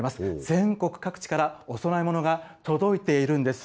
全国各地からお供え物が届いているんです。